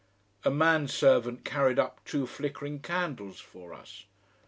A manservant carried up two flickering candles for us.